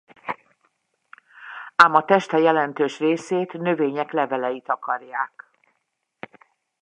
Ám a teste jelentős részét növények levelei takarják.